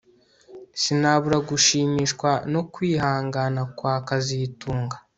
Sinabura gushimishwa no kwihangana kwa kazitunga